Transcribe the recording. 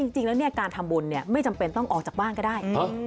จริงแล้วการทำบุญไม่จำเป็นต้องออกจากบ้านก็ได้